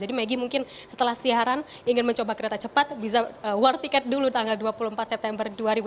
jadi maggie mungkin setelah siaran ingin mencoba kereta cepat bisa war tiket dulu tanggal dua puluh empat september dua ribu dua puluh tiga